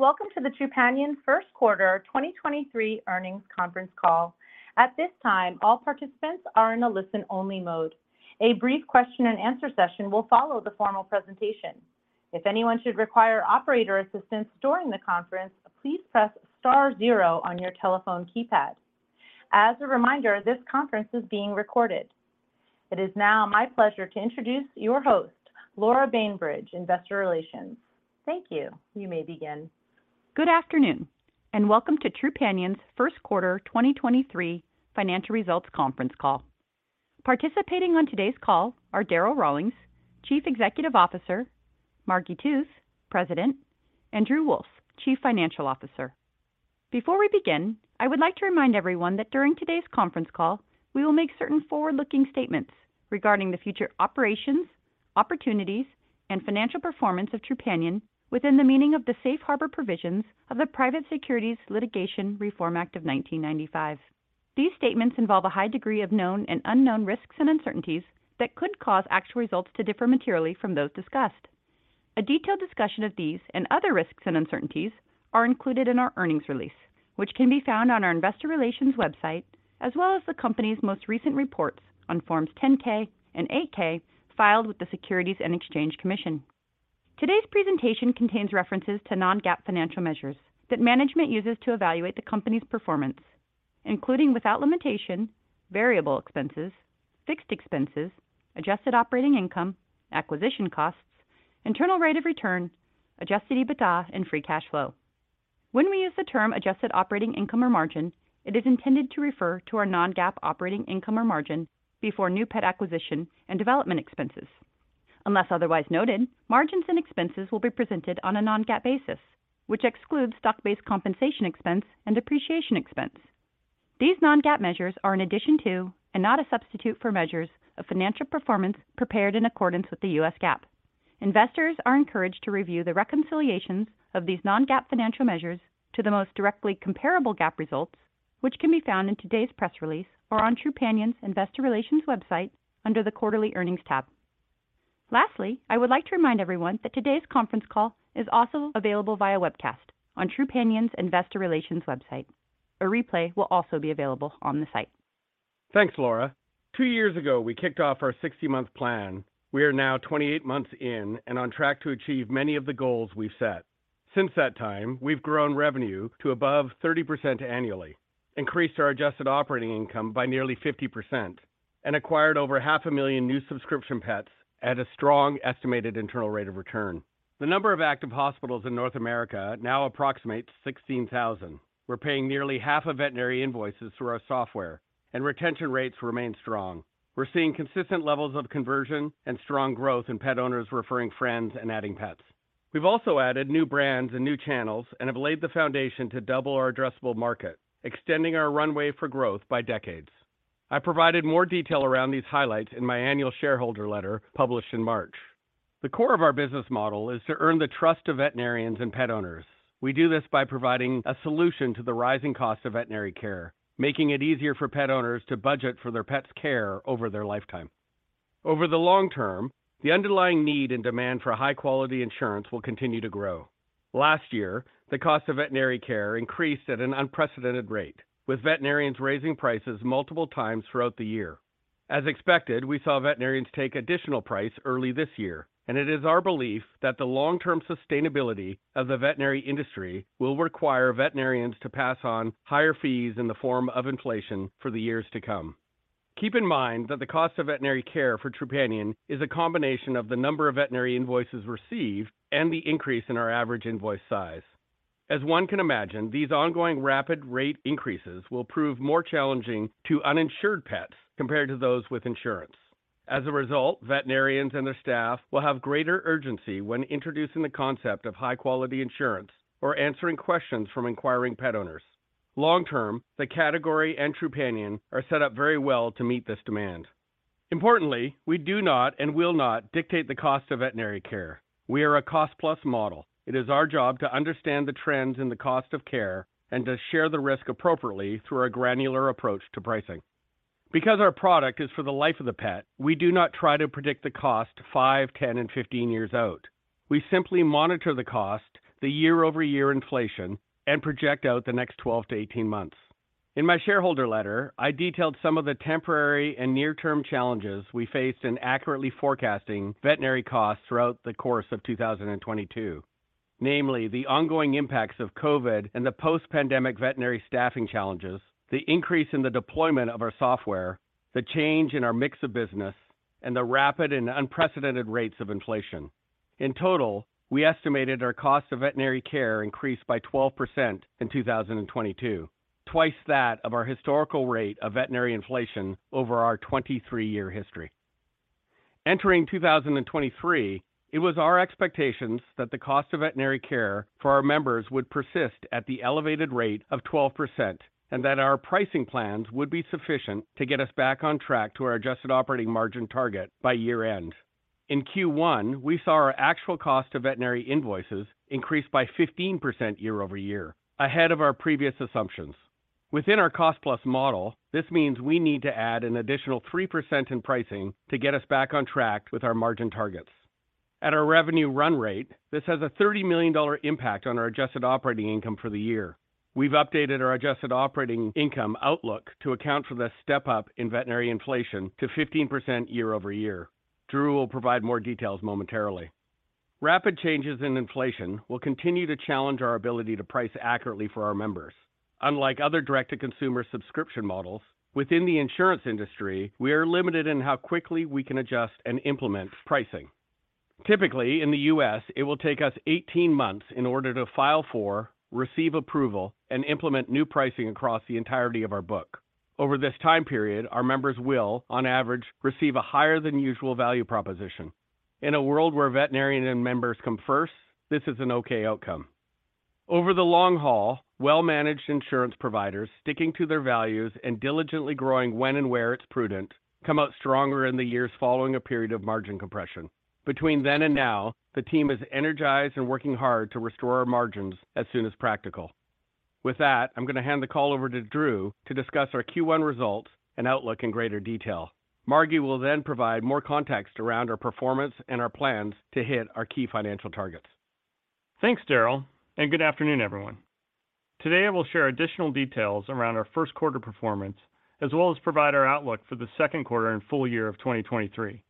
Welcome to the Trupanion Q1 2023 Earnings Conference Call. At this time, all participants are in a listen-only mode. A brief question and answer session will follow the formal presentation. If anyone should require operator assistance during the conference, please press star zero on your telephone keypad. As a reminder, this conference is being recorded. It is now my pleasure to introduce your host, Laura Bainbridge, Investor Relations. Thank you. You may begin. Good afternoon, welcome to Trupanion's Q1 2023 financial results conference call. Participating on today's call are Darryl Rawlings, Chief Executive Officer, Margi Tooth, President, and Drew Wolff, Chief Financial Officer. Before we begin, I would like to remind everyone that during today's conference call, we will make certain forward-looking statements regarding the future operations, opportunities, and financial performance of Trupanion within the meaning of the Safe Harbor provisions of the Private Securities Litigation Reform Act of 1995. These statements involve a high degree of known and unknown risks and uncertainties that could cause actual results to differ materially from those discussed. A detailed discussion of these and other risks and uncertainties are included in our earnings release, which can be found on our investor relations website, as well as the company's most recent reports on Forms 10-K and 8-K filed with the Securities and Exchange Commission. Today's presentation contains references to non-GAAP financial measures that management uses to evaluate the company's performance, including, without limitation, variable expenses, fixed expenses, adjusted operating income, acquisition costs, Internal Rate of Return, adjusted EBITDA, and free cash flow. When we use the term adjusted operating income or margin, it is intended to refer to our non-GAAP operating income or margin before new pet acquisition and development expenses. Unless otherwise noted, margins and expenses will be presented on a non-GAAP basis, which excludes stock-based compensation expense and depreciation expense. These non-GAAP measures are in addition to, and not a substitute for measures of financial performance prepared in accordance with the U.S. GAAP. Investors are encouraged to review the reconciliations of these non-GAAP financial measures to the most directly comparable GAAP results, which can be found in today's press release or on Trupanion's investor relations website under the Quarterly Earnings tab. Lastly, I would like to remind everyone that today's conference call is also available via webcast on Trupanion's investor relations website. A replay will also be available on the site. Thanks, Laura. Two years ago, we kicked off our 60-month plan. We are now 28 months in and on track to achieve many of the goals we've set. Since that time, we've grown revenue to above 30% annually, increased our adjusted operating income by nearly 50%, and acquired over half a million new subscription pets at a strong estimated internal rate of return. The number of active hospitals in North America now approximates 16,000. We're paying nearly half of veterinary invoices through our software, and retention rates remain strong. We're seeing consistent levels of conversion and strong growth in pet owners referring friends and adding pets. We've also added new brands and new channels and have laid the foundation to double our addressable market, extending our runway for growth by decades. I provided more detail around these highlights in my annual shareholder letter published in March. The core of our business model is to earn the trust of veterinarians and pet owners. We do this by providing a solution to the rising cost of veterinary care, making it easier for pet owners to budget for their pet's care over their lifetime. Over the long term, the underlying need and demand for high-quality insurance will continue to grow. Last year, the cost of veterinary care increased at an unprecedented rate, with veterinarians raising prices multiple times throughout the year. As expected, we saw veterinarians take additional price early this year, and it is our belief that the long-term sustainability of the veterinary industry will require veterinarians to pass on higher fees in the form of inflation for the years to come. Keep in mind that the cost of veterinary care for Trupanion is a combination of the number of veterinary invoices received and the increase in our average invoice size. As one can imagine, these ongoing rapid rate increases will prove more challenging to uninsured pets compared to those with insurance. As a result, veterinarians and their staff will have greater urgency when introducing the concept of high-quality insurance or answering questions from inquiring pet owners. Long term, the category and Trupanion are set up very well to meet this demand. Importantly, we do not and will not dictate the cost of veterinary care. We are a cost plus model. It is our job to understand the trends in the cost of care and to share the risk appropriately through a granular approach to pricing. Because our product is for the life of the pet, we do not try to predict the cost five, 10, and 15 years out. We simply monitor the cost, the year-over-year inflation, and project out the next 12 to 18 months. In my shareholder letter, I detailed some of the temporary and near-term challenges we faced in accurately forecasting veterinary costs throughout the course of 2022. Namely, the ongoing impacts of COVID and the post-pandemic veterinary staffing challenges, the increase in the deployment of our software, the change in our mix of business, and the rapid and unprecedented rates of inflation. In total, we estimated our cost of veterinary care increased by 12% in 2022, twice that of our historical rate of veterinary inflation over our 23-year history. Entering 2023, it was our expectations that the cost of veterinary care for our members would persist at the elevated rate of 12% and that our pricing plans would be sufficient to get us back on track to our adjusted operating margin target by year-end. In Q1, we saw our actual cost of veterinary invoices increase by 15% year-over-year, ahead of our previous assumptions. Within our cost-plus model, this means we need to add an additional 3% in pricing to get us back on track with our margin targets. At our revenue run rate, this has a $30 million impact on our adjusted operating income for the year. We've updated our adjusted operating income outlook to account for this step-up in veterinary inflation to 15% year-over-year. Drew will provide more details momentarily. Rapid changes in inflation will continue to challenge our ability to price accurately for our members. Unlike other direct-to-consumer subscription models, within the insurance industry, we are limited in how quickly we can adjust and implement pricing. Typically, in the U.S., it will take us 18 months in order to file for, receive approval, and implement new pricing across the entirety of our book. Over this time period, our members will, on average, receive a higher than usual value proposition. In a world where veterinarian and members come first, this is an okay outcome. Over the long haul, well-managed insurance providers sticking to their values and diligently growing when and where it's prudent come out stronger in the years following a period of margin compression. Between then and now, the team is energized and working hard to restore our margins as soon as practical. I'm gonna hand the call over to Drew to discuss our Q1 results and outlook in greater detail. Margi will then provide more context around our performance and our plans to hit our key financial targets. Thanks, Darryl. Good afternoon, everyone. Today, I will share additional details around our Q1 performance, as well as provide our outlook for the Q2 and full year of 2023.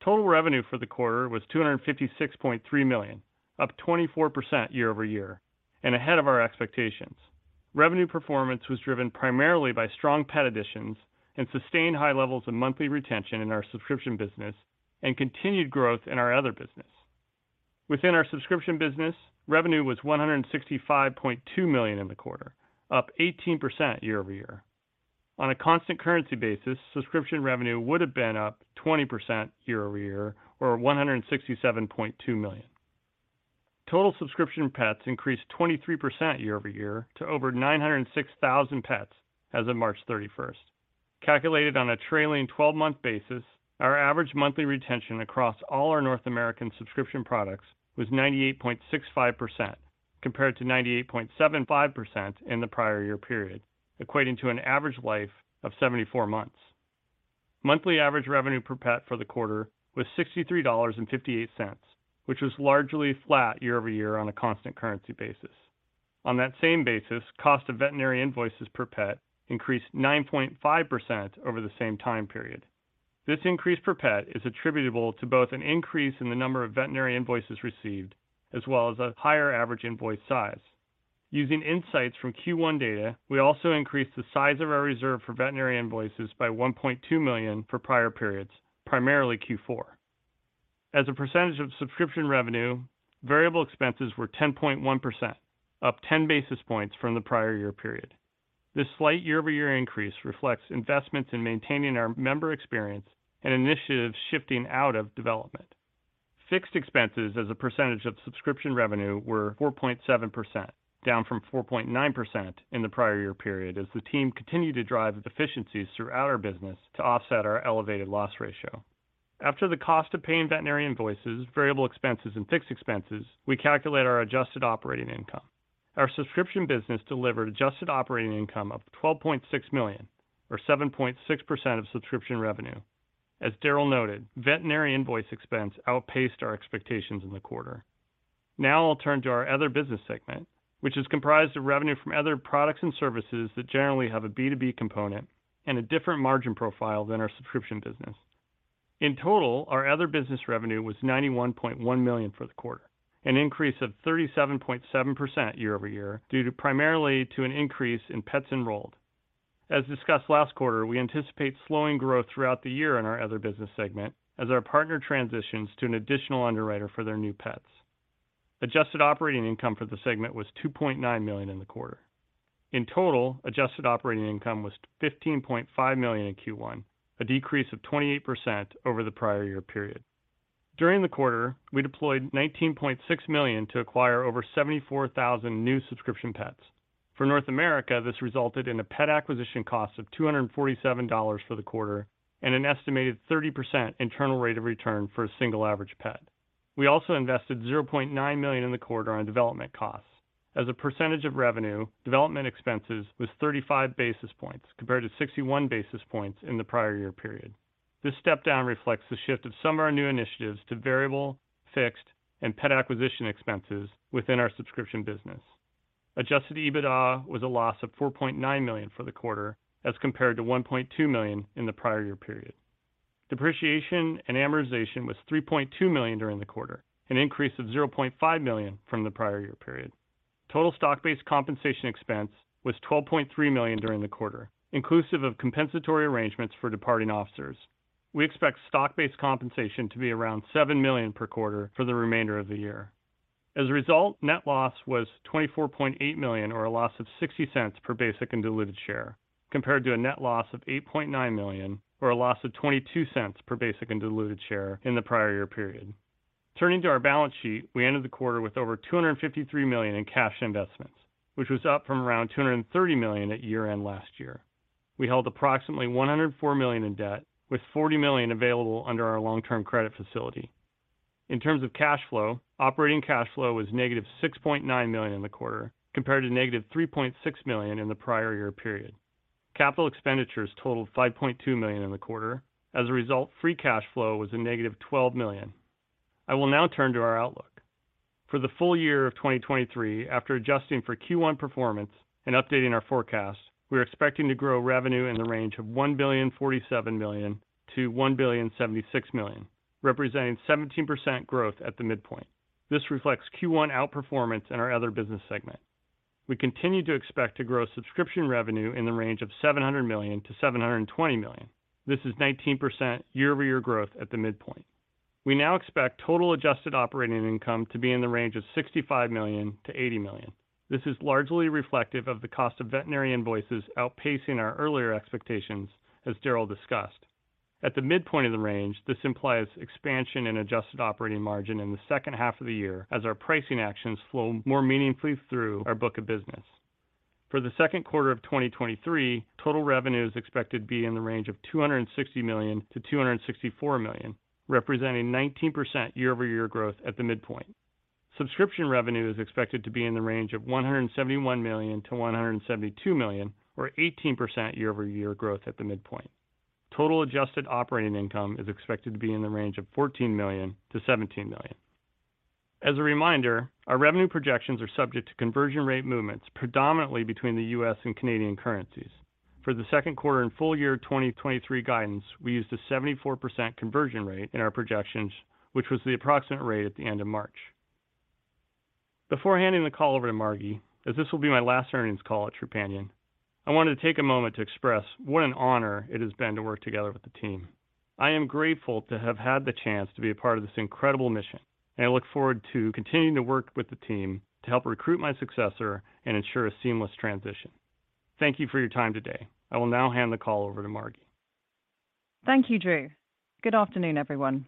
Total revenue for the quarter was $256.3 million, up 24% year-over-year, ahead of our expectations. Revenue performance was driven primarily by strong pet additions and sustained high levels of monthly retention in our subscription business and continued growth in our other business. Within our subscription business, revenue was $165.2 million in the quarter, up 18% year-over-year. On a constant currency basis, subscription revenue would have been up 20% year-over-year or $167.2 million. Total subscription pets increased 23% year-over-year to over 906,000 pets as of March 31st. Calculated on a trailing 12-month basis, our average monthly retention across all our North American subscription products was 98.65% compared to 98.75% in the prior year period, equating to an average life of 74 months. Monthly average revenue per pet for the quarter was $63.58, which was largely flat year-over-year on a constant currency basis. On that same basis, cost of veterinary invoices per pet increased 9.5% over the same time period. This increase per pet is attributable to both an increase in the number of veterinary invoices received as well as a higher average invoice size. Using insights from Q1 data, we also increased the size of our reserve for veterinary invoices by $1.2 million for prior periods, primarily Q4. As a percentage of subscription revenue, variable expenses were 10.1%, up 10 basis points from the prior year period. This slight year-over-year increase reflects investments in maintaining our member experience and initiatives shifting out of development. Fixed expenses as a percentage of subscription revenue were 4.7%, down from 4.9% in the prior year period as the team continued to drive efficiencies throughout our business to offset our elevated loss ratio. After the cost of paying veterinary invoices, variable expenses, and fixed expenses, we calculate our adjusted operating income. Our subscription business delivered adjusted operating income of $12.6 million or 7.6% of subscription revenue. As Daryl noted, veterinary invoice expense outpaced our expectations in the quarter. Now I'll turn to our other business segment, which is comprised of revenue from other products and services that generally have a B2B component and a different margin profile than our subscription business. In total, our other business revenue was $91.1 million for the quarter, an increase of 37.7% year-over-year due to primarily to an increase in pets enrolled. As discussed last quarter, we anticipate slowing growth throughout the year in our other business segment as our partner transitions to an additional underwriter for their new pets. Adjusted operating income for the segment was $2.9 million in the quarter. In total, adjusted operating income was $15.5 million in Q1, a decrease of 28% over the prior year period. During the quarter, we deployed $19.6 million to acquire over 74,000 new subscription pets. For North America, this resulted in a pet acquisition cost of $247 for the quarter and an estimated 30% Internal Rate of Return for a single average pet. We also invested $0.9 million in the quarter on development costs. As a percentage of revenue, development expenses was 35 basis points compared to 61 basis points in the prior-year period. This step-down reflects the shift of some of our new initiatives to variable, fixed, and pet acquisition expenses within our subscription business. Adjusted EBITDA was a loss of $4.9 million for the quarter as compared to $1.2 million in the prior-year period. Depreciation and amortization was $3.2 million during the quarter, an increase of $0.5 million from the prior-year period. Total stock-based compensation expense was $12.3 million during the quarter, inclusive of compensatory arrangements for departing officers. We expect stock-based compensation to be around $7 million per quarter for the remainder of the year. As a result, net loss was $24.8 million or a loss of $0.60 per basic and diluted share, compared to a net loss of $8.9 million or a loss of $0.22 per basic and diluted share in the prior year period. Turning to our balance sheet, we ended the quarter with over $253 million in cash investments, which was up from around $230 million at year-end last year. We held approximately $104 million in debt with $40 million available under our long-term credit facility. In terms of cash flow, operating cash flow was negative $6.9 million in the quarter, compared to negative $3.6 million in the prior year period. Capital expenditures totaled $5.2 million in the quarter. As a result, free cash flow was a negative $12 million. I will now turn to our outlook. For the full year of 2023, after adjusting for Q1 performance and updating our forecast, we are expecting to grow revenue in the range of $1,047 million-$1,076 million, representing 17% growth at the midpoint. This reflects Q1 outperformance in our other business segment. We continue to expect to grow subscription revenue in the range of $700 million-$720 million. This is 19% year-over-year growth at the midpoint. We now expect total adjusted operating income to be in the range of $65 million-$80 million. This is largely reflective of the cost of veterinary invoices outpacing our earlier expectations, as Darryl discussed. At the midpoint of the range, this implies expansion in adjusted operating margin in the second half of the year as our pricing actions flow more meaningfully through our book of business. For the Q2 of 2023, total revenue is expected to be in the range of $260 million-$264 million, representing 19% year-over-year growth at the midpoint. Subscription revenue is expected to be in the range of $171 million-$172 million, or 18% year-over-year growth at the midpoint. Total adjusted operating income is expected to be in the range of $14 million-$17 million. As a reminder, our revenue projections are subject to conversion rate movements predominantly between the U.S. and Canadian currencies. For the Q2 and full year 2023 guidance, we used a 74% conversion rate in our projections, which was the approximate rate at the end of March. Before handing the call over to Margi, as this will be my last earnings call at Trupanion, I wanted to take a moment to express what an honor it has been to work together with the team. I am grateful to have had the chance to be a part of this incredible mission, and I look forward to continuing to work with the team to help recruit my successor and ensure a seamless transition. Thank you for your time today. I will now hand the call over to Margi. Thank you, Drew. Good afternoon, everyone.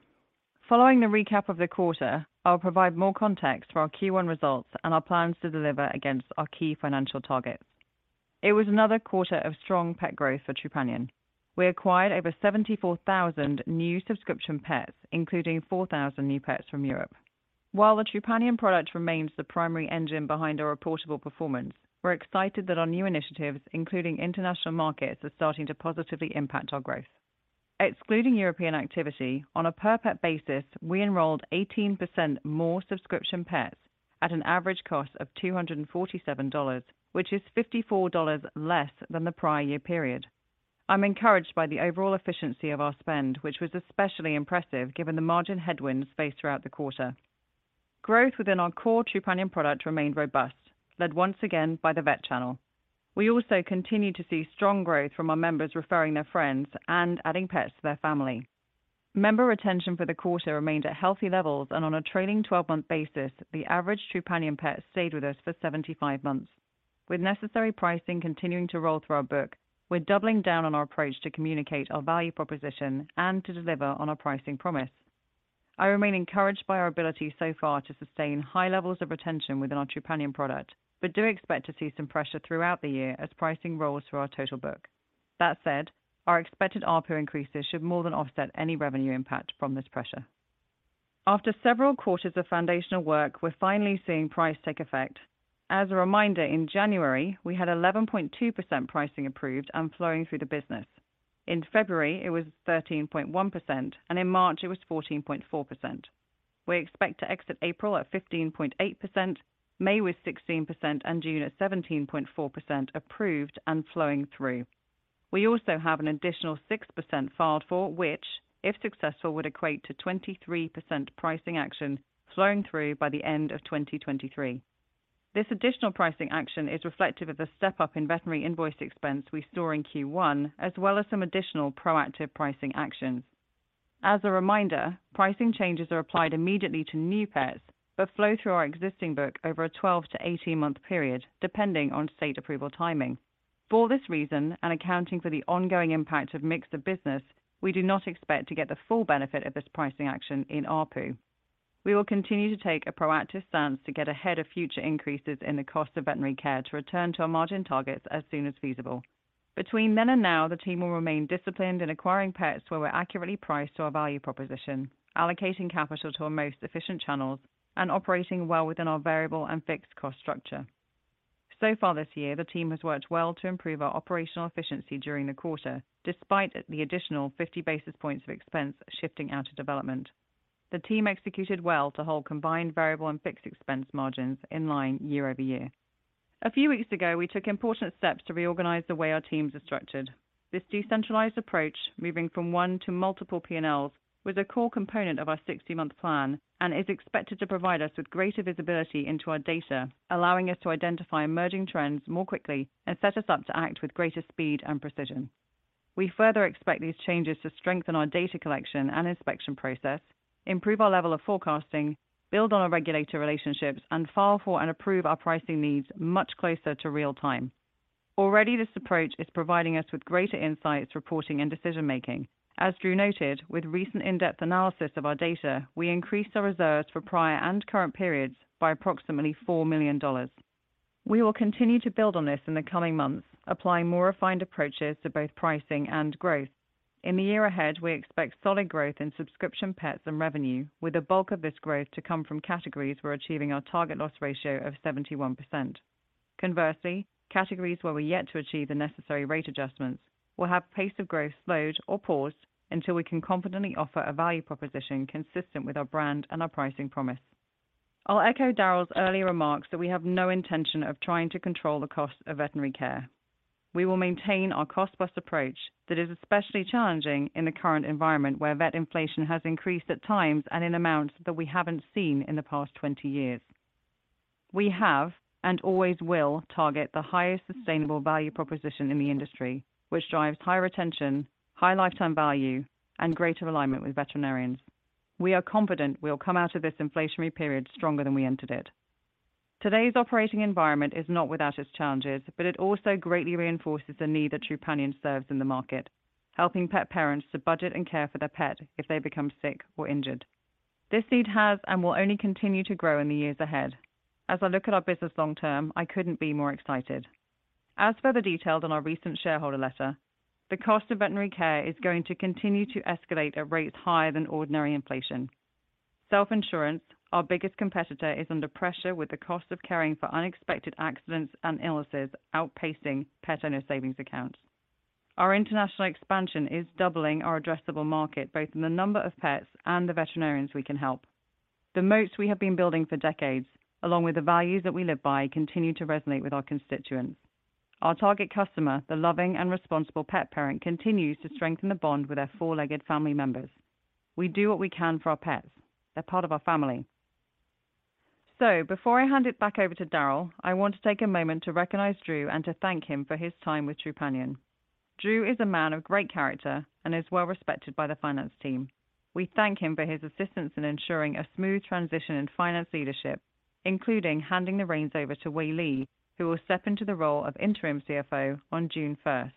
Following the recap of the quarter, I'll provide more context for our Q1 results and our plans to deliver against our key financial targets. It was another quarter of strong pet growth for Trupanion. We acquired over 74,000 new subscription pets, including 4,000 new pets from Europe. While the Trupanion product remains the primary engine behind our reportable performance, we're excited that our new initiatives, including international markets, are starting to positively impact our growth. Excluding European activity, on a per pet basis, we enrolled 18% more subscription pets at an average cost of $247, which is $54 less than the prior-year period. I'm encouraged by the overall efficiency of our spend, which was especially impressive given the margin headwinds faced throughout the quarter. Growth within our core Trupanion product remained robust, led once again by the vet channel. We also continued to see strong growth from our members referring their friends and adding pets to their family. Member retention for the quarter remained at healthy levels and on a trailing 12-month basis, the average Trupanion pet stayed with us for 75 months. With necessary pricing continuing to roll through our book, we're doubling down on our approach to communicate our value proposition and to deliver on our pricing promise. I remain encouraged by our ability so far to sustain high levels of retention within our Trupanion product, do expect to see some pressure throughout the year as pricing rolls through our total book. That said, our expected ARPU increases should more than offset any revenue impact from this pressure. After several quarters of foundational work, we're finally seeing price take effect. As a reminder, in January, we had 11.2% pricing approved and flowing through the business. In February, it was 13.1%, and in March it was 14.4%. We expect to exit April at 15.8%, May with 16%, and June at 17.4% approved and flowing through. We also have an additional 6% filed for which, if successful, would equate to 23% pricing action flowing through by the end of 2023. This additional pricing action is reflective of the step-up in veterinary invoice expense we saw in Q1, as well as some additional proactive pricing actions. As a reminder, pricing changes are applied immediately to new pets, but flow through our existing book over a 12 to 18-month period, depending on state approval timing. For this reason, and accounting for the ongoing impact of mix of business, we do not expect to get the full benefit of this pricing action in ARPU. We will continue to take a proactive stance to get ahead of future increases in the cost of veterinary care to return to our margin targets as soon as feasible. Between then and now, the team will remain disciplined in acquiring pets where we're accurately priced to our value proposition, allocating capital to our most efficient channels, and operating well within our variable and fixed cost structure. Far this year, the team has worked well to improve our operational efficiency during the quarter, despite the additional 50 basis points of expense shifting out of development. The team executed well to hold combined variable and fixed expense margins in line year-over-year. A few weeks ago, we took important steps to reorganize the way our teams are structured. This decentralized approach, moving from one to multiple P&L, was a core component of our 60-month plan and is expected to provide us with greater visibility into our data, allowing us to identify emerging trends more quickly and set us up to act with greater speed and precision. We further expect these changes to strengthen our data collection and inspection process, improve our level of forecasting, build on our regulator relationships, and file for and approve our pricing needs much closer to real-time. Already, this approach is providing us with greater insights, reporting, and decision-making. As Drew noted, with recent in-depth analysis of our data, we increased our reserves for prior and current periods by approximately $4 million. We will continue to build on this in the coming months, applying more refined approaches to both pricing and growth. In the year ahead, we expect solid growth in subscription pets and revenue, with the bulk of this growth to come from categories we're achieving our target loss ratio of 71%. Conversely, categories where we're yet to achieve the necessary rate adjustments will have pace of growth slowed or paused until we can confidently offer a value proposition consistent with our brand and our pricing promise. I'll echo Daryl's earlier remarks that we have no intention of trying to control the cost of veterinary care. We will maintain our cost-plus approach that is especially challenging in the current environment, where vet inflation has increased at times and in amounts that we haven't seen in the past 20 years. We have and always will target the highest sustainable value proposition in the industry, which drives higher retention, high lifetime value, and greater alignment with veterinarians. We are confident we'll come out of this inflationary period stronger than we entered it. Today's operating environment is not without its challenges. It also greatly reinforces the need that Trupanion serves in the market, helping pet parents to budget and care for their pet if they become sick or injured. This need has and will only continue to grow in the years ahead. As I look at our business long term, I couldn't be more excited. As further detailed in our recent shareholder letter, the cost of veterinary care is going to continue to escalate at rates higher than ordinary inflation. Self-insurance, our biggest competitor, is under pressure with the cost of caring for unexpected accidents and illnesses outpacing pet owner savings accounts. Our international expansion is doubling our addressable market, both in the number of pets and the veterinarians we can help. The moats we have been building for decades, along with the values that we live by, continue to resonate with our constituents. Our target customer, the loving and responsible pet parent, continues to strengthen the bond with their four-legged family members. We do what we can for our pets. They're part of our family. Before I hand it back over to Darryl, I want to take a moment to recognize Drew and to thank him for his time with Trupanion. Drew is a man of great character and is well respected by the finance team. We thank him for his assistance in ensuring a smooth transition in finance leadership, including handing the reins over to Wei Li, who will step into the role of interim CFO on June first.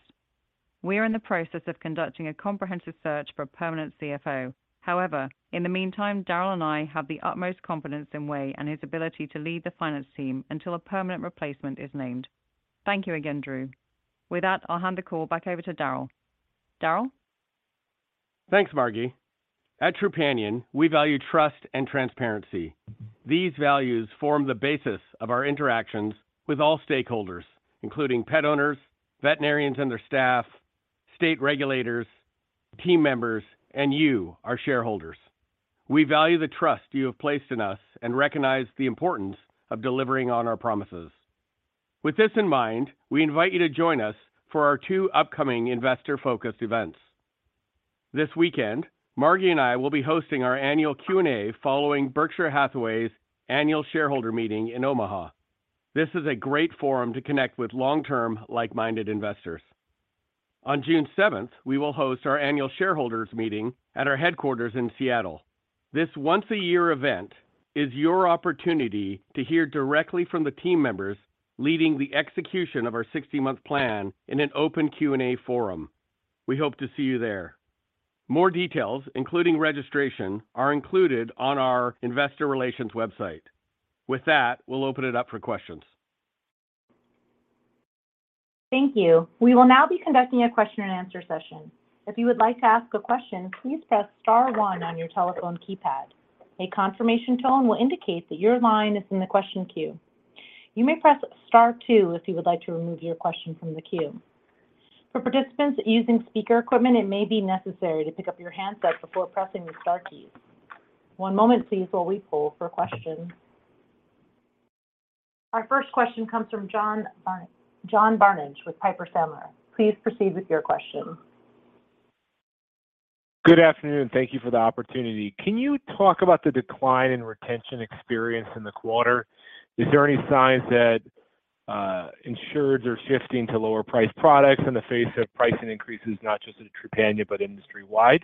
We are in the process of conducting a comprehensive search for a permanent CFO. In the meantime, Daryl and I have the utmost confidence in Wei and his ability to lead the finance team until a permanent replacement is named. Thank you again, Drew. With that, I'll hand the call back over to Daryl. Daryl? Thanks, Margi. At Trupanion, we value trust and transparency. These values form the basis of our interactions with all stakeholders, including pet owners, veterinarians and their staff, state regulators, team members, and you, our shareholders. We value the trust you have placed in us and recognize the importance of delivering on our promises. With this in mind, we invite you to join us for our two upcoming investor-focused events. This weekend, Margi and I will be hosting our annual Q&A following Berkshire Hathaway's annual shareholder meeting in Omaha. This is a great forum to connect with long-term, like-minded investors. On June 7th, we will host our annual shareholders meeting at our headquarters in Seattle. This once-a-year event is your opportunity to hear directly from the team members leading the execution of our 60-month plan in an open Q&A forum. We hope to see you there. More details, including registration, are included on our investor relations website. With that, we'll open it up for questions. Thank you. We will now be conducting a question and answer session. If you would like to ask a question, please press star one on your telephone keypad. A confirmation tone will indicate that your line is in the question queue. You may press star two if you would like to remove your question from the queue. For participants using speaker equipment, it may be necessary to pick up your handset before pressing the star keys. One moment, please, while we pull for questions. Our first question comes from John Barnidge with Piper Sandler. Please proceed with your question. Good afternoon. Thank you for the opportunity. Can you talk about the decline in retention experience in the quarter? Is there any signs that insureds are shifting to lower-priced products in the face of pricing increases, not just at Trupanion, but industry-wide?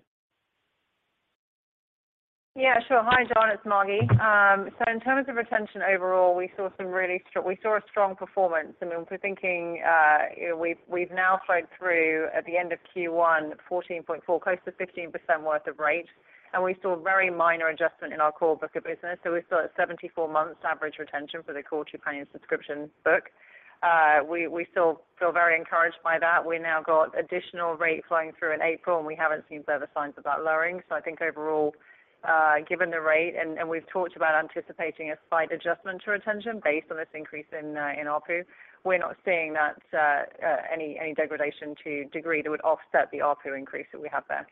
Yeah, sure. Hi, John. It's Margi. In terms of retention overall, we saw a strong performance. I mean, if we're thinking, you know, we've now flowed through at the end of Q1, 14.4, close to 15% worth of rate, we saw a very minor adjustment in our core book of business. We saw a 74 months average retention for the core Trupanion subscription book. We feel very encouraged by that. We now got additional rate flowing through in April, we haven't seen further signs of that lowering. I think overall, given the rate, and we've talked about anticipating a slight adjustment to retention based on this increase in ARPU, we're not seeing that any degradation to degree that would offset the ARPU increase that we have there.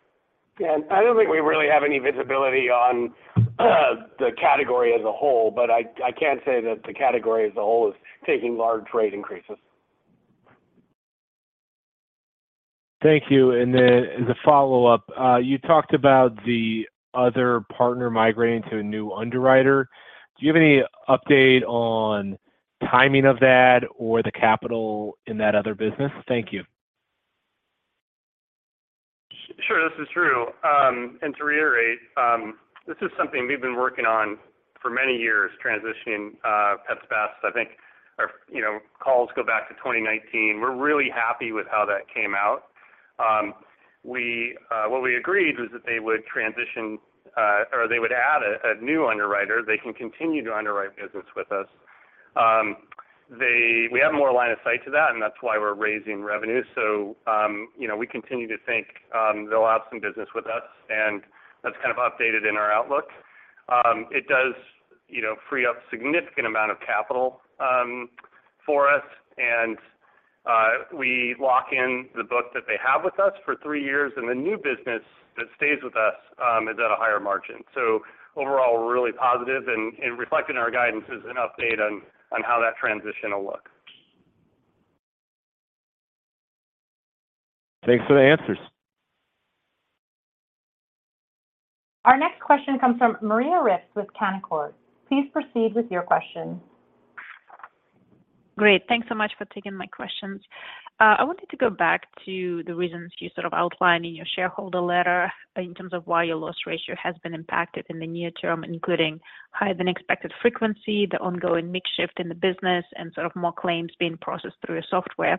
Yeah, I don't think we really have any visibility on the category as a whole, but I can say that the category as a whole is taking large rate increases. Thank you. As a follow-up, you talked about the other partner migrating to a new underwriter. Do you have any update on timing of that or the capital in that other business? Thank you. Sure. This is Drew. To reiterate, this is something we've been working on for many years, transitioning Pets Best. I think our, you know, calls go back to 2019. We're really happy with how that came out. We, what we agreed was that they would transition, or they would add a new underwriter. They can continue to underwrite business with us. We have more line of sight to that, and that's why we're raising revenues. you know, we continue to think, they'll have some business with us, and that's kind of updated in our outlook. it does, you know, free up significant amount of capital, for us. We lock in the book that they have with us for three years. The new business that stays with us, is at a higher margin. Overall, we're really positive, and reflecting our guidance is an update on how that transition will look. Thanks for the answers. Our next question comes from Maria Ripps with Canaccord. Please proceed with your question. Great. Thanks so much for taking my questions. I wanted to go back to the reasons you sort of outlined in your shareholder letter in terms of why your loss ratio has been impacted in the near term, including higher than expected frequency, the ongoing mix shift in the business, and sort of more claims being processed through your software.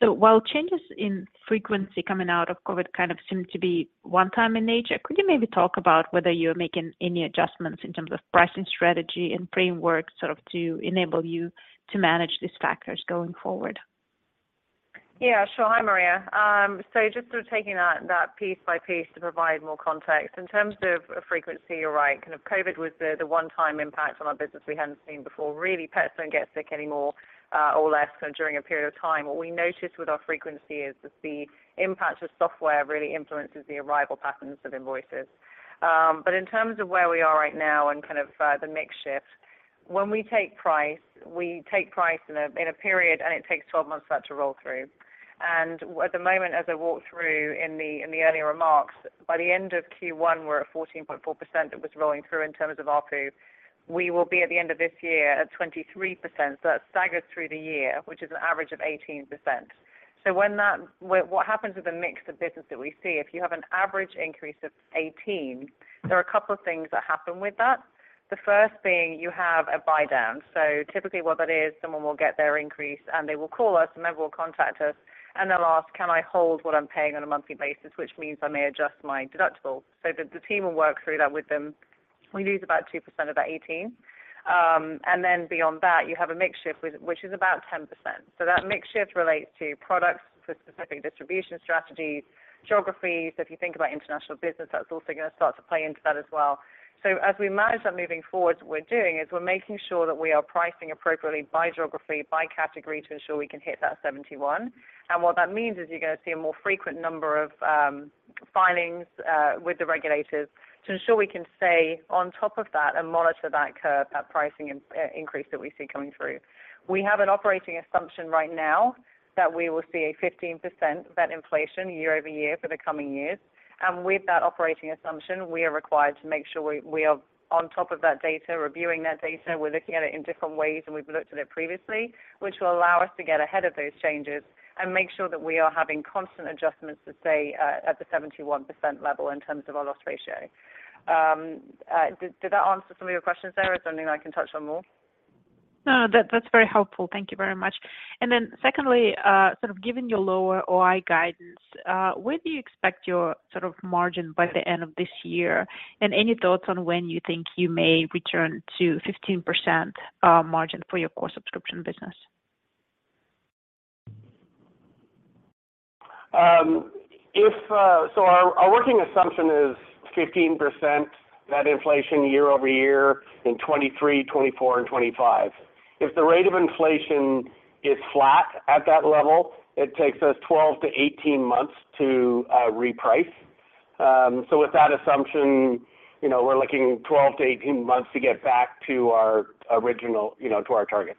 While changes in frequency coming out of COVID kind of seem to be one time in nature, could you maybe talk about whether you're making any adjustments in terms of pricing strategy and framework sort of to enable you to manage these factors going forward? Yeah, sure. Hi, Maria. Just sort of taking that piece by piece to provide more context. In terms of frequency, you're right. Kind of COVID was the one time impact on our business we hadn't seen before. Really, pets don't get sick any more or less kind of during a period of time. What we noticed with our frequency is the impact of software really influences the arrival patterns of invoices. In terms of where we are right now and kind of the mix shift, when we take price, we take price in a period, and it takes 12 months for that to roll through. At the moment, as I walked through in the earlier remarks, by the end of Q1, we're at 14.4% that was rolling through in terms of ARPU. We will be at the end of this year at 23%. That's staggered through the year, which is an average of 18%. When that, what happens with the mix of business that we see, if you have an average increase of 18%, there are a couple of things that happen with that. The first being you have a buy down. Typically what that is, someone will get their increase, and they will call us, a member will contact us, and they'll ask, can I hold what I'm paying on a monthly basis, which means I may adjust my deductible? The team will work through that with them. We lose about 2% of that 18. Beyond that, you have a mix shift with, which is about 10%. That mix shift relates to products for specific distribution strategies, geographies. If you think about international business, that's also gonna start to play into that as well. As we manage that moving forward, what we're doing is we're making sure that we are pricing appropriately by geography, by category to ensure we can hit that 71. What that means is you're gonna see a more frequent number of filings with the regulators to ensure we can stay on top of that and monitor that curve, that pricing increase that we see coming through. We have an operating assumption right now that we will see a 15% event inflation year-over-year for the coming years. With that operating assumption, we are required to make sure we are on top of that data, reviewing that data. We're looking at it in different ways than we've looked at it previously, which will allow us to get ahead of those changes and make sure that we are having constant adjustments to stay at the 71% level in terms of our loss ratio. Did that answer some of your questions there or something I can touch on more? No, that's very helpful. Thank you very much. Secondly, sort of given your lower OI guidance, where do you expect your sort of margin by the end of this year? Any thoughts on when you think you may return to 15% margin for your core subscription business? If our working assumption is 15% net inflation year-over-year in 2023, 2024, and 2025. If the rate of inflation is flat at that level, it takes us 12-18 months to reprice. With that assumption, you know, we're looking 12-18 months to get back to our original, you know, to our target.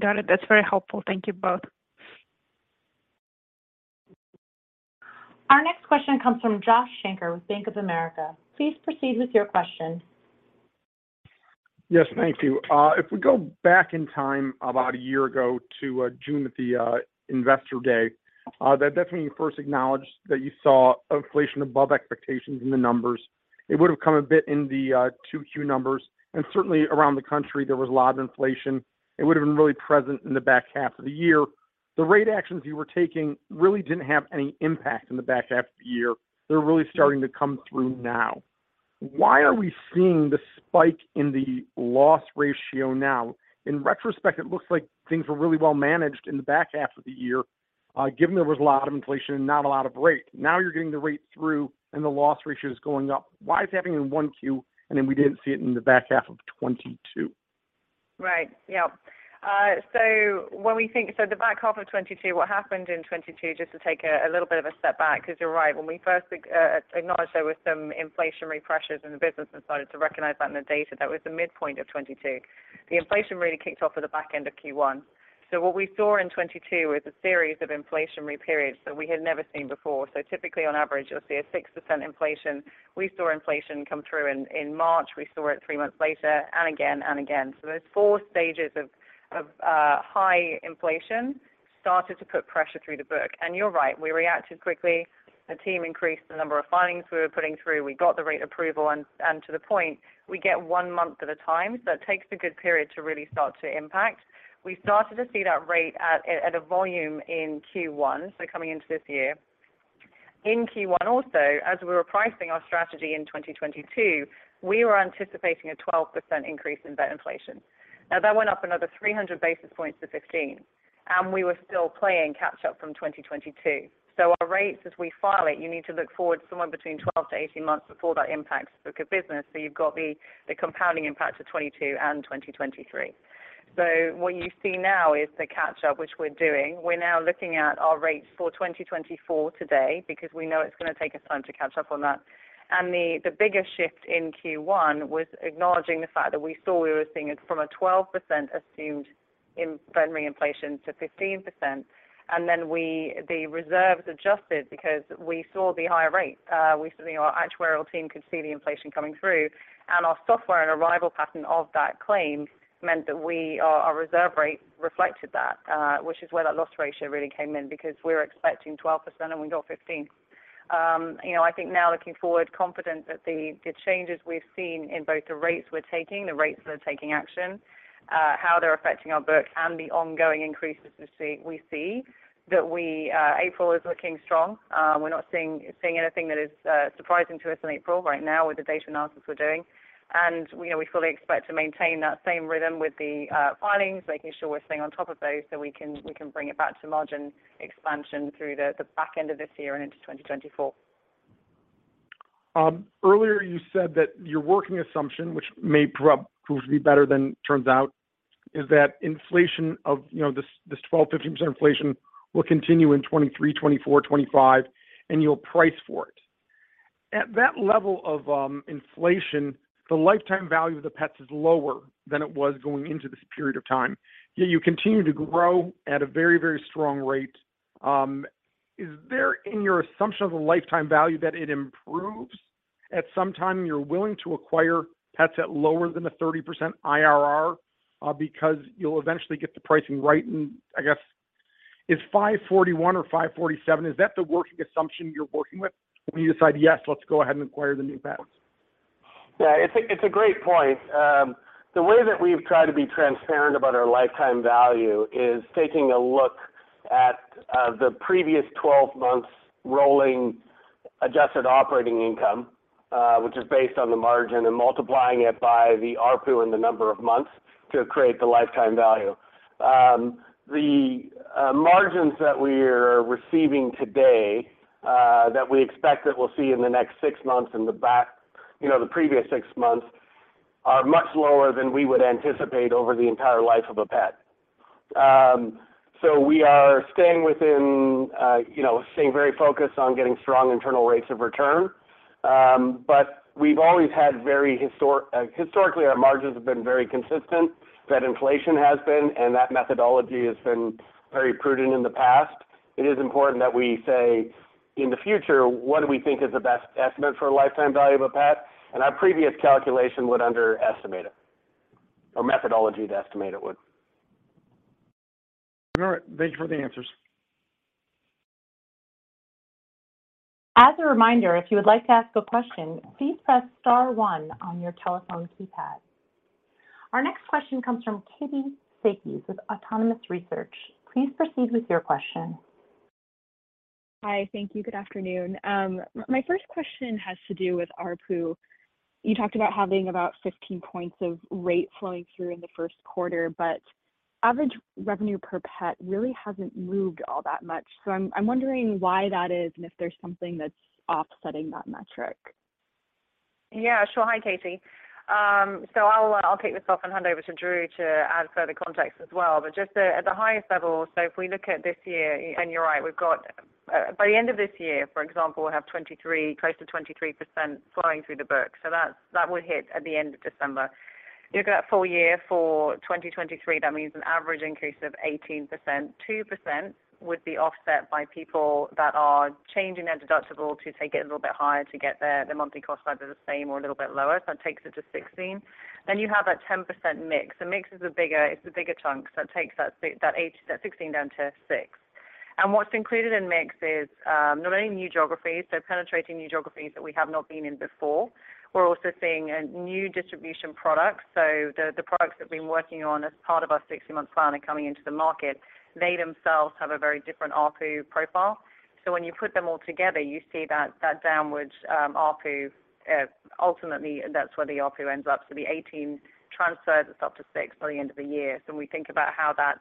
Got it. That's very helpful. Thank you both. Our next question comes from Josh Shanker with Bank of America. Please proceed with your question. Yes. Thank you. If we go back in time about one year ago to June at the Investor Day, that definitely first acknowledged that you saw inflation above expectations in the numbers. It would've come a bit in the Q2 numbers. Certainly around the country, there was a lot of inflation. It would've been really present in the back half of the year. The rate actions you were taking really didn't have any impact in the back half of the year. They're really starting to come through now. Why are we seeing the spike in the loss ratio now? In retrospect, it looks like things were really well managed in the back half of the year, given there was a lot of inflation and not a lot of rate. Now you're getting the rate through and the loss ratio is going up. Why is it happening in Q1, and then we didn't see it in the back half of 2022? Right. Yep. The back half of 2022, what happened in 2022, just to take a little bit of a step back, 'cause you're right. When we first acknowledged there was some inflationary pressures and the business decided to recognize that in the data, that was the midpoint of 2022. The inflation really kicked off at the back end of Q1. What we saw in 2022 was a series of inflationary periods that we had never seen before. Typically, on average, you'll see a 6% inflation. We saw inflation come through in March. We saw it three months later and again and again. Those four stages of high inflation started to put pressure through the book. You're right. We reacted quickly. The team increased the number of filings we were putting through. We got the rate approval, and to the point, we get one month at a time. It takes a good period to really start to impact. We started to see that rate at a volume in Q1, coming into this year. In Q1 also, as we were pricing our strategy in 2022, we were anticipating a 12% increase in vet inflation. That went up another 300 basis points to 15, and we were still playing catch up from 2022. Our rates, as we file it, you need to look forward somewhere between 12 to 18 months before that impacts the book of business. You've got the compounding impact of 2022 and 2023. What you see now is the catch up, which we're doing. We're now looking at our rates for 2024 today because we know it's gonna take us time to catch up on that. The biggest shift in Q1 was acknowledging the fact that we thought we were seeing it from a 12% assumed in veterinary inflation to 15%. Then the reserves adjusted because we saw the higher rates. We saw our actuarial team could see the inflation coming through, and our software and arrival pattern of that claim meant that our reserve rate reflected that, which is where that loss ratio really came in because we're expecting 12% and we got 15%. You know, I think now looking forward, confident that the changes we've seen in both the rates we're taking, the rates that are taking action, how they're affecting our book, and the ongoing increases we see that April is looking strong. We're not seeing anything that is surprising to us in April right now with the data analysis we're doing. You know, we fully expect to maintain that same rhythm with the filings, making sure we're staying on top of those so we can, we can bring it back to margin expansion through the back end of this year and into 2024. Earlier you said that your working assumption, which may prove to be better than turns out, is that inflation of, you know, this 12%-15% inflation will continue in 2023, 2024, 2025, and you'll price for it. At that level of inflation, the lifetime value of the pets is lower than it was going into this period of time, yet you continue to grow at a very strong rate. Is there in your assumption of the lifetime value that it improves at some time and you're willing to acquire pets at lower than the 30% IRR because you'll eventually get the pricing right? I guess is $541 or $547, is that the working assumption you're working with when you decide, yes, let's go ahead and acquire the new pets? Yeah. It's a great point. The way that we've tried to be transparent about our lifetime value is taking a look at the previous 12 months rolling adjusted operating income, which is based on the margin, and multiplying it by the ARPU and the number of months to create the lifetime value. The margins that we are receiving today, that we expect that we'll see in the next six months and the back, you know, the previous six months, are much lower than we would anticipate over the entire life of a pet. We are staying within, you know, staying very focused on getting strong Internal Rates of Return. We've always had very historically, our margins have been very consistent, vet inflation has been, and that methodology has been very prudent in the past. It is important that we say, in the future, what do we think is the best estimate for a lifetime value of a pet? Our previous calculation would underestimate it, or methodology to estimate it would. All right. Thank you for the answers. As a reminder, if you would like to ask a question, please press star one on your telephone keypad. Our next question comes from Katie Sakys of Autonomous Research. Please proceed with your question. Hi. Thank you. Good afternoon. My first question has to do with ARPU. You talked about having about 15 points of rate flowing through in the Q1, average revenue per pet really hasn't moved all that much. I'm wondering why that is and if there's something that's offsetting that metric. Yeah, sure. Hi, Katie. I'll kick this off and hand over to Drew to add further context as well. Just at the highest level, if we look at this year, and you're right, we've got, by the end of this year, for example, we'll have close to 23% flowing through the book. That would hit at the end of December. If you look at that full year for 2023, that means an average increase of 18%, 2% would be offset by people that are changing their deductible to take it a little bit higher to get their monthly cost either the same or a little bit lower. That takes it to 16. You have that 10% mix. The mix is the bigger chunk. It takes that 16 down to six. What's included in mix is not only new geographies, so penetrating new geographies that we have not been in before. We're also seeing a new distribution product. The products that we've been working on as part of our 60-month plan are coming into the market. They themselves have a very different ARPU profile. When you put them all together, you see that downward ARPU, ultimately, that's where the ARPU ends up. The 18 transfers itself to six by the end of the year. We think about how that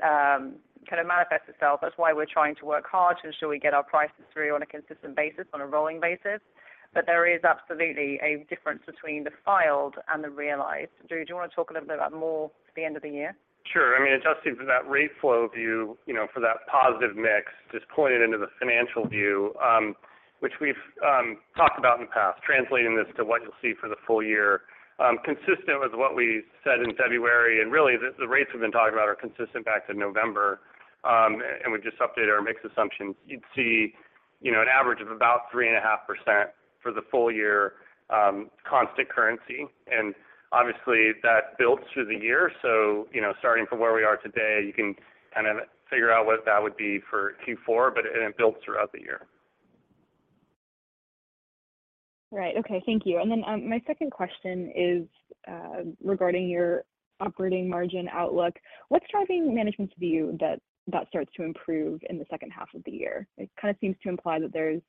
kind of manifests itself. That's why we're trying to work hard to ensure we get our prices through on a consistent basis, on a rolling basis. There is absolutely a difference between the filed and the realized. Drew, do you wanna talk a little bit about more at the end of the year? Sure. I mean, adjusting for that rate flow view, you know, for that positive mix, just pulling it into the financial view, which we've talked about in the past, translating this to what you'll see for the full year. Consistent with what we said in February, and really the rates we've been talking about are consistent back to November, and we just updated our mix assumptions. You'd see, you know, an average of about 3.5% for the full year, constant currency. Obviously that builds through the year. You know, starting from where we are today, you can kind of figure out what that would be for Q4, but it builds throughout the year. Right. Okay. Thank you. Then, my second question is regarding your operating margin outlook. What's driving management's view that that starts to improve in the H2 of the year? It kinda seems to imply that there's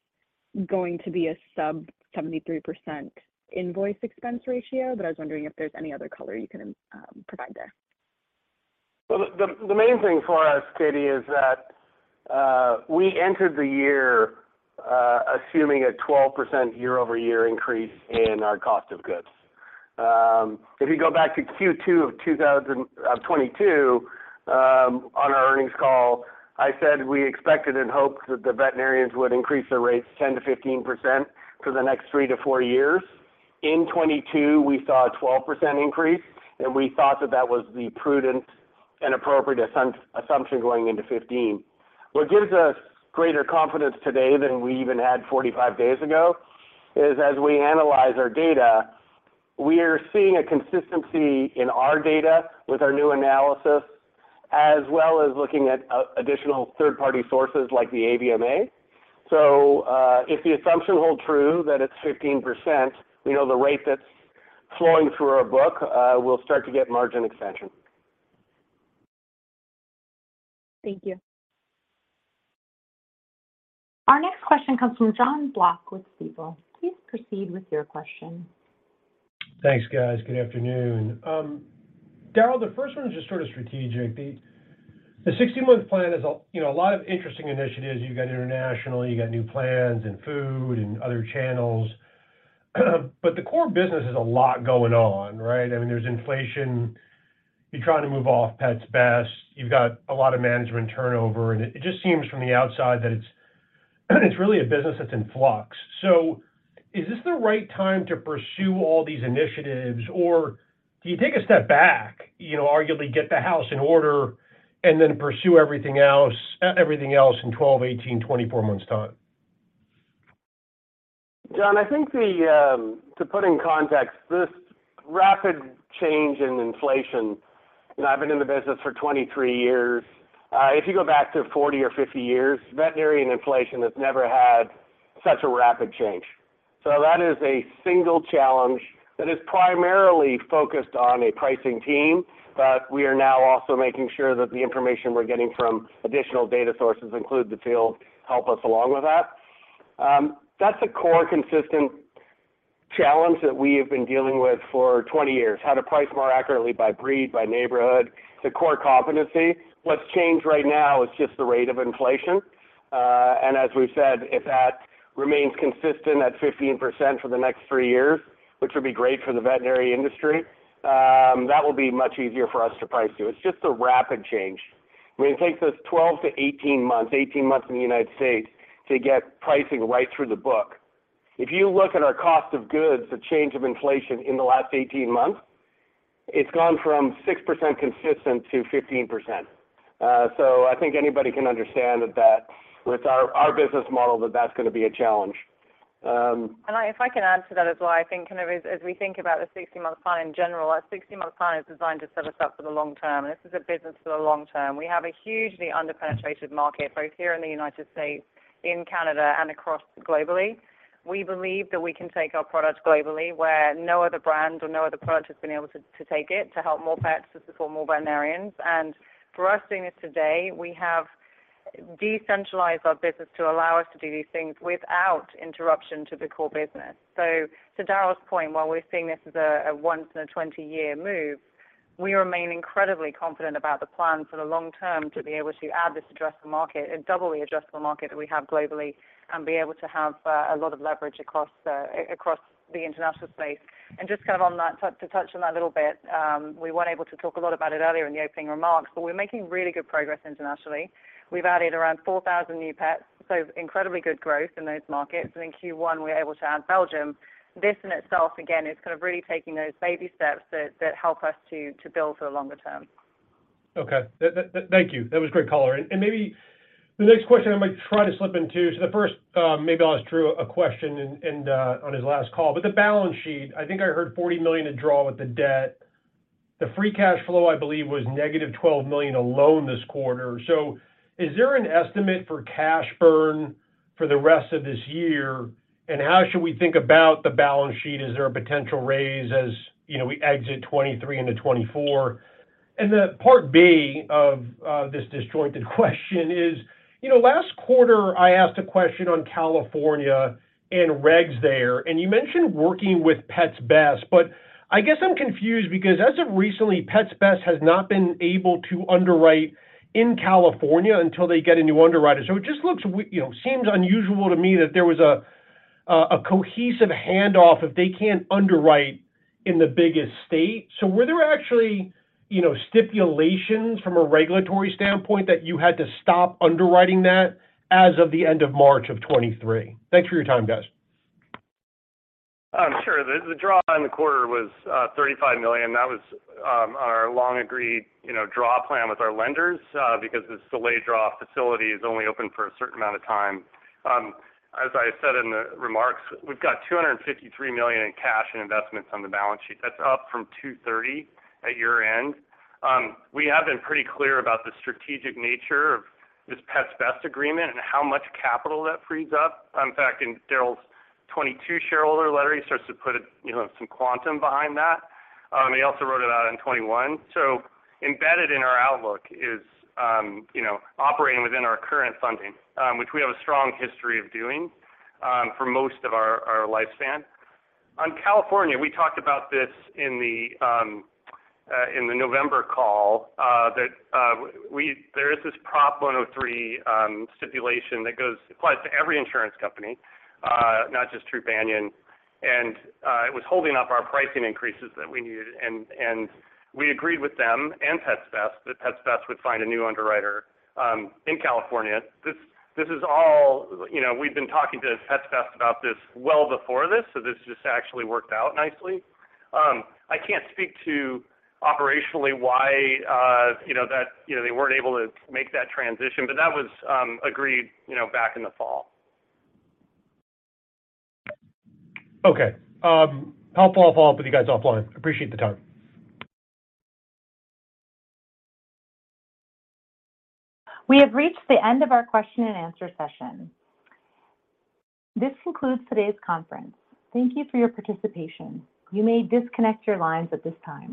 going to be a sub 73% invoice expense ratio. I was wondering if there's any other color you can provide there. The main thing for us, Katie, is that we entered the year assuming a 12% year-over-year increase in our cost of goods. If you go back to Q2 of 2022, on our earnings call, I said we expected and hoped that the veterinarians would increase their rates 10%-15% for the next three-four years. In 2022, we saw a 12% increase, and we thought that was the prudent and appropriate assumption going into 15. What gives us greater confidence today than we even had 45 days ago is, as we analyze our data, we are seeing a consistency in our data with our new analysis, as well as looking at additional third-party sources like the AVMA. If the assumption holds true that it's 15%, we know the rate that's flowing through our book, we'll start to get margin expansion. Thank you. Our next question comes from Jon Block with Stifel. Please proceed with your question. Thanks, guys. Good afternoon. Darryl, the first one is just sort of strategic. The, the 60-month plan is a, you know, a lot of interesting initiatives. You've got international, you've got new plans and food and other channels, but the core business has a lot going on, right? I mean, there's inflation. You're trying to move off Pets Best. You've got a lot of management turnover, and it just seems from the outside that it's really a business that's in flux. Is this the right time to pursue all these initiatives, or do you take a step back, you know, arguably get the house in order and then pursue everything else, everything else in 12, 18, 24 months' time? John, I think the to put in context, this rapid change in inflation, you know, I've been in the business for 23 years. If you go back to 40 or 50 years, veterinarian inflation has never had such a rapid change. That is a single challenge that is primarily focused on a pricing team. We are now also making sure that the information we're getting from additional data sources, including the field, help us along with that. That's a core consistent challenge that we have been dealing with for 20 years, how to price more accurately by breed, by neighborhood. It's a core competency. What's changed right now is just the rate of inflation. As we've said, if that remains consistent at 15% for the next three years, which would be great for the veterinary industry, that will be much easier for us to price to. It's just a rapid change. I mean, it takes us 12-18 months, 18 months in the United States to get pricing right through the book. If you look at our cost of goods, the change of inflation in the last 18 months, it's gone from 6% consistent to 15%. I think anybody can understand that with our business model that's gonna be a challenge. If I can add to that as well. I think kind of as we think about the 60-month plan in general, our 60-month plan is designed to set us up for the long term, and this is a business for the long term. We have a hugely under-penetrated market, both here in the United States, in Canada, and across globally. We believe that we can take our product globally where no other brand or no other product has been able to take it to help more pets, to support more veterinarians. For us doing this today, we have decentralized our business to allow us to do these things without interruption to the core business. To Darryl's point, while we're seeing this as a once in a 20-year move, we remain incredibly confident about the plan for the long term to be able to add this addressable market and double the addressable market that we have globally and be able to have a lot of leverage across the international space. Just kind of on that, to touch on that a little bit, we weren't able to talk a lot about it earlier in the opening remarks, but we're making really good progress internationally. We've added around 4,000 new pets, so incredibly good growth in those markets. In Q1, we're able to add Belgium. This in itself again is kind of really taking those baby steps that help us to build for the longer term. Okay. Thank you. That was a great color. Maybe the next question I might try to slip in two. The first, maybe I'll ask Drew a question in on his last call. The balance sheet, I think I heard $40 million in draw with the debt. The free cash flow, I believe, was negative $12 million alone this quarter. Is there an estimate for cash burn for the rest of this year? How should we think about the balance sheet? Is there a potential raise as, you know, we exit 2023 into 2024? The part B of this disjointed question is, you know, last quarter, I asked a question on California and regs there, and you mentioned working with Pets Best. I guess I'm confused because as of recently, Pets Best has not been able to underwrite in California until they get a new underwriter. It just looks, you know, seems unusual to me that there was a cohesive handoff if they can't underwrite in the biggest state. Were there actually, you know, stipulations from a regulatory standpoint that you had to stop underwriting that as of the end of March of 2023? Thanks for your time, guys. Sure. The draw in the quarter was $35 million. That was our long-agreed, you know, draw plan with our lenders because this delay draw facility is only open for a certain amount of time. As I said in the remarks, we've got $253 million in cash and investments on the balance sheet. That's up from $230 at year-end. We have been pretty clear about the strategic nature of this Pets Best agreement and how much capital that frees up. In fact, in Darryl's 2022 shareholder letter, he starts to put, you know, some quantum behind that. He also wrote it out in 2021. Embedded in our outlook is, you know, operating within our current funding, which we have a strong history of doing for most of our lifespan. On California, we talked about this in the November call, that there is this Proposition 103 stipulation that applies to every insurance company, not just Trupanion. It was holding up our pricing increases that we needed. We agreed with them and Pets Best that Pets Best would find a new underwriter in California. This, this is all, you know, we've been talking to Pets Best about this well before this, so this just actually worked out nicely. I can't speak to operationally why, you know, that, you know, they weren't able to make that transition, but that was agreed, you know, back in the fall. Okay. I'll follow up with you guys offline. Appreciate the time. We have reached the end of our question and answer session. This concludes today's conference. Thank you for your participation. You may disconnect your lines at this time.